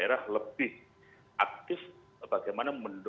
kita bisa lebih aktif bagaimana